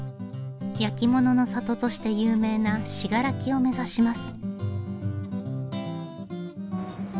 焼き物の里として有名な信楽を目指します。